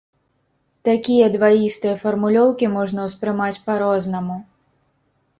Такія дваістыя фармулёўкі можна ўспрымаць па-рознаму.